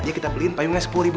ya kita beliin payungnya rp sepuluh